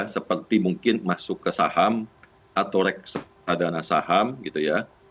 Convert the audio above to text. seperti mungkin masuk ke saham atau reksadana saham gitu ya